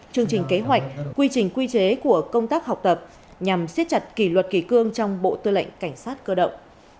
chương trình kế hoạch quy trình quy chế của công tác học tập nhằm siết chặt kỷ luật kỳ cương trong bộ tư lệnh cảnh sát cơ động